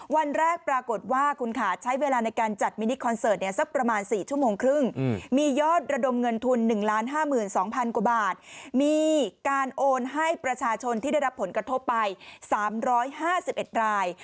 วันแรกปรากฏว่าคุณขาใช้เวลาในการจัดมินิคอนเซิร์ตเนี่ย